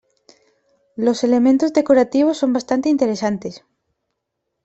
Los elementos decorativos son bastante interesantes.